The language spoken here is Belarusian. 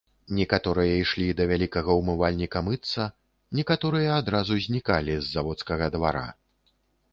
Некаторыя ішлі да вялікага ўмывальніка мыцца, некаторыя адразу знікалі з заводскага двара.